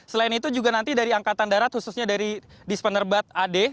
selain itu juga nanti dari angkatan darat khususnya dari dispenerbat ad